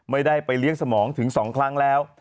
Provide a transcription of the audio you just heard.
ไม่ได้ไปเลี้ยงสมองถึง๒ครั้งแล้ว